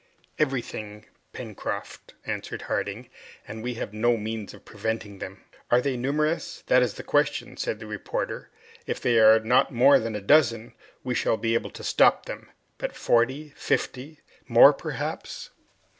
"Everything, Pencroft," answered Harding, "and we have no means of preventing them." "Are they numerous? that is the question," said the reporter. "If they are not more than a dozen, we shall be able to stop them, but forty, fifty, more perhaps!"